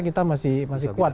kita masih kuat